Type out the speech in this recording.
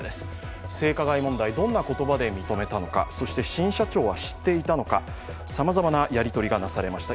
性加害問題、どんな言葉で認めたのか、そして新社長は知っていたのかさまざまなやりとりがなされました。